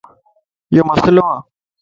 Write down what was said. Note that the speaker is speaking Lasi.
يو مسئلو ا